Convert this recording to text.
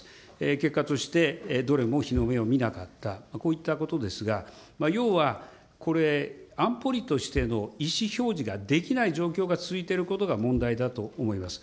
結果としてどれも日の目を見なかった、こういったことですが、要は、これ、安保理としての意思表示ができない状況が続いていることが問題だと思います。